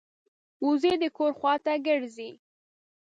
وزې د کور خوا ته ګرځي